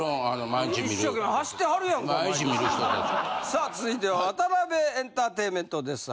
さあ続いてはワタナベエンターテインメントです。